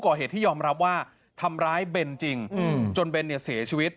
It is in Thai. ก่อเหตุที่ยอมรับว่าทำร้ายเบนจริงอืมจนเบนเนี่ยเสีย